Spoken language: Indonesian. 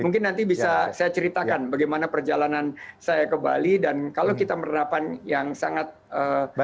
mungkin nanti bisa saya ceritakan bagaimana perjalanan saya ke bali dan kalau kita menerapan yang sangat disiplin dan ketat